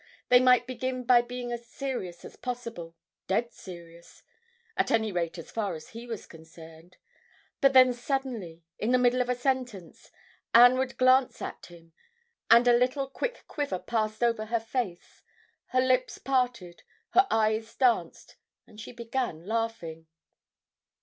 They might begin by being as serious as possible, dead serious—at any rate, as far as he was concerned—but then suddenly, in the middle of a sentence, Anne would glance at him, and a little quick quiver passed over her face. Her lips parted, her eyes danced, and she began laughing.